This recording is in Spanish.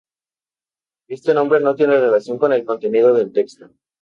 Este nombre no tiene relación con el contenido del texto.